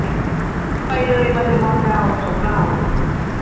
ไปเลยมาเดอโมแซล เขากล่าว